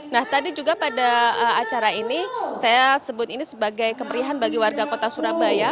nah tadi juga pada acara ini saya sebut ini sebagai kemerihan bagi warga kota surabaya